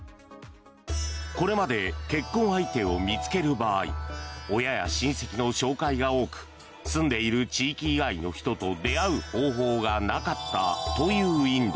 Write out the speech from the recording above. これまで結婚相手を見つける場合親や親戚の紹介が多く住んでいる地域以外の人と出会う方法がなかったというインド。